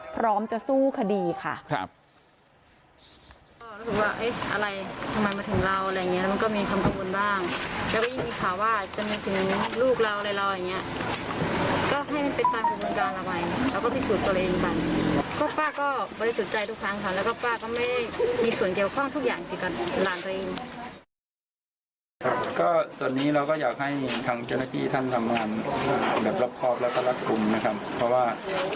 พร้อมจะสู้คดีค่ะ